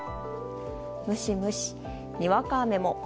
ムシムシ、にわか雨も。